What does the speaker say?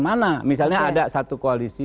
mana misalnya ada satu koalisi